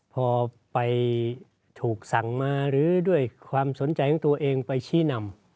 พอไปถูกสั่งมาหรือด้วยความสนใจของตัวเองไปชี้นำ